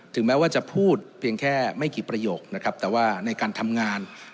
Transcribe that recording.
แม้ว่าจะพูดเพียงแค่ไม่กี่ประโยคนะครับแต่ว่าในการทำงาน